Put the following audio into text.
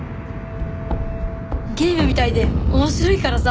ゲームみたいで面白いからさ。